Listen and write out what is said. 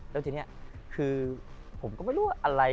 แล้วทีนี้คือผมก็ไม่รู้ว่าอะไร